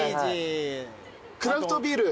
クラフトビール。